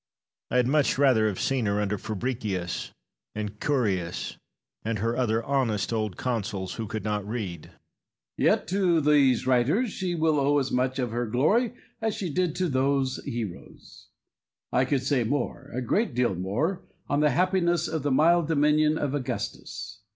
I had much rather have seen her under Fabricius and Curius, and her other honest old consuls, who could not read. Messalla. Yet to these writers she will owe as much of her glory as she did to those heroes. I could say more, a great deal more, on the happiness of the mild dominion of Augustus.